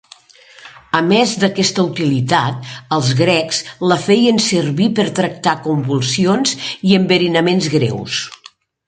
A més d'aquesta utilitat els grecs la feien servir per tractar convulsions i enverinaments greus.